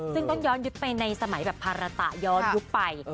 ซึ่งต้องย้อนยุคไปในสมัยแบบภาระตะย้อนยุคไป